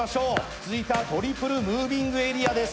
続いてはトリプルムービングエリアです。